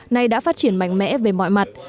nay đã phát triển mạnh mẽ về mọi mặt